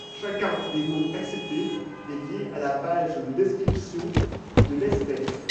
Chacun des noms acceptés est lié à la page de description de l'espèce.